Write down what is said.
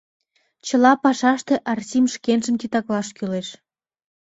Чыла пашаште Арсим шкенжым титаклаш кӱлеш.